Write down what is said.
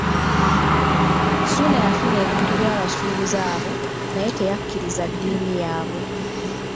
Ssuuna yafuna ebintu by'abasuubuzi abo, naye teyakkiriza ddiini yaabwe.